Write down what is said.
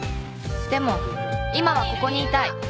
でも今はここにいたい。